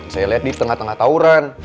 saya lihat di tengah tengah tauran